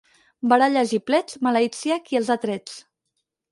Baralles i plets, maleït sia qui els ha trets.